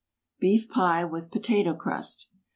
BEEF PIE, WITH POTATO CRUST.